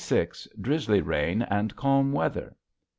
Drisly rain and Calm Wather.